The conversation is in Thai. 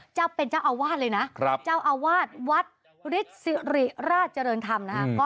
เจ้าอาวาสเป็นเจ้าอาวาสเลยนะเจ้าอาวาสวัดฤทธิ์สิริราชเจริญธรรมนะคะ